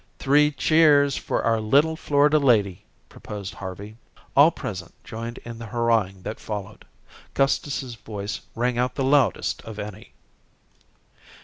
"Three cheers for our little Florida lady," proposed Harvey. All present joined in the hurrahing that followed. Gustus's voice rang out the loudest of any.